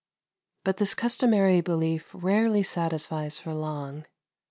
But this customary belief rarely satisfies for long.